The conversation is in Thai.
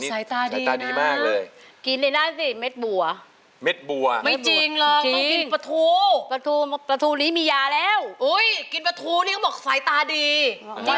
พี่ใส่แล้วเหมือนมาเก็บค่าแชร์